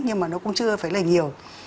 nhưng mà nó cũng chưa phải là nhiều